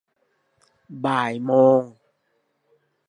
บ่ายโมง